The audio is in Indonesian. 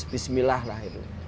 bismillah lah itu